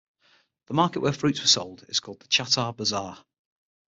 The market where fruits were sold is called chatar bazar.